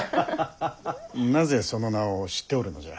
なぜその名を知っておるのじゃ？